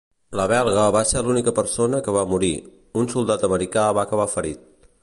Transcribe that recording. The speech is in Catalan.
La belga va ser l'única persona que va morir. Un soldat americà va acabar ferit.